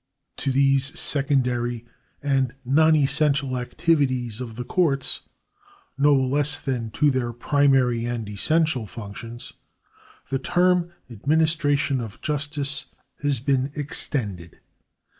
To these secondary and non essential activities of the courts, no less than to their primary and essential functions, the term administration of justice has been extended.